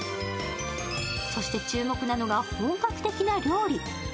そして、注目なのが本格的な料理。